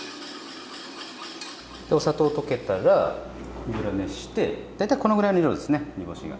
でお砂糖溶けたら油熱して大体このぐらいの量ですね煮干しが。